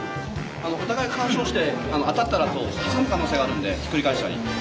お互い干渉して当たったら挟む可能性があるんでひっくり返したり。